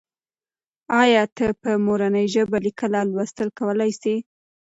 آیا ته په مورنۍ ژبه لیکل او لوستل کولای سې؟